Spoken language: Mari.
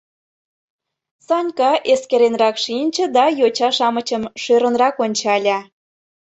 Санька эскеренрак шинче да йоча-шамычым шӧрынрак ончале.